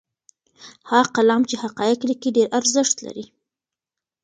هغه قلم چې حقایق لیکي ډېر ارزښت لري.